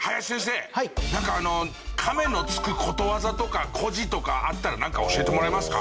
なんかあの「カメ」のつくことわざとか故事とかあったらなんか教えてもらえますか？